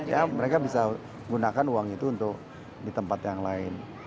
ya mereka bisa gunakan uang itu untuk di tempat yang lain